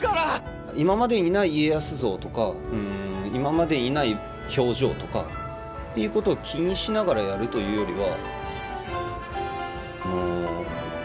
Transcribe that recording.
今までにない家康像とか今までにない表情とかっていうことを気にしながらやるというよりは。